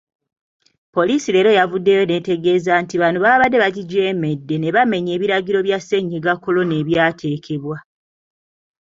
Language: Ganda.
Poliisi leero yavuddeyo netegeeza nti bano babadde bagijeemedde nebamenya ebiragiro bya sennyiga kolona ebyateekebwa.